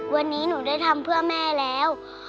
วันนี้หนูได้ทำเพื่อแม่แล้ว